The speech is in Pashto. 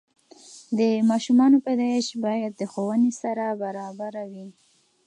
د ماشومانو پیدایش باید د ښوونې سره برابره وي.